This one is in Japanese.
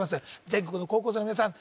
全国の高校生の皆さん